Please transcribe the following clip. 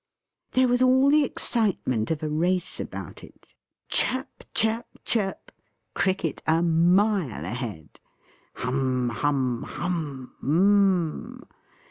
There was all the excitement of a race about it. Chirp, chirp, chirp! Cricket a mile ahead. Hum, hum, hum m m!